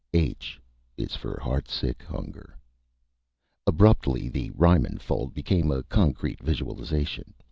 _ H is for heartsick hunger. Abruptly, the Reimann fold became a concrete visualization.